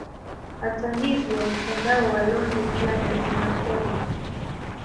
Hata hivyo mtandao wa lonely planet unasema